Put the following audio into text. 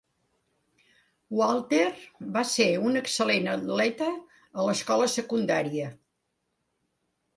Walter va ser un excel·lent atleta a l'escola secundària.